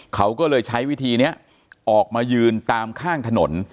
เขาก็เลยใช้วิธีนี้ออกมายืนตามข้างถนน